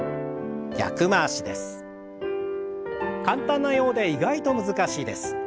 簡単なようで意外と難しいです。